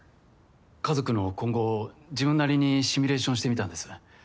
家族の今後を自分なりにシミュレーションしてみたんです。